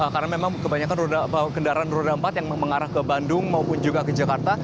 karena memang kebanyakan kendaraan roda empat yang mengarah ke bandung maupun juga ke jakarta